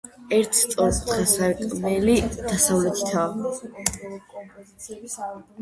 ერთი სწორკუთხა სარკმელი დასავლეთითაა.